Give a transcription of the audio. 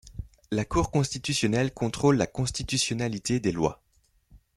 La Cour constitutionnelle contrôle la constitutionnalité des lois.